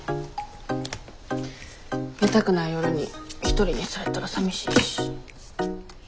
寝たくない夜に一人にされたらさみしいし。